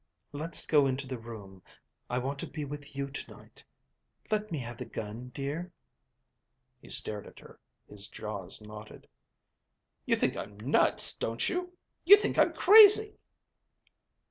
"Let's go into the room. I want to be with you tonight. Let me have the gun, dear?" He stared at her, his jaws knotted. "You think I'm nuts, don't you? You think I'm crazy."